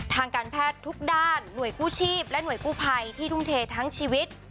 ทางการแพทย์ทุกด้านหน่วยกู้ชีพและหน่วยกู้ภัยที่ทุ่มเททั้งชีวิต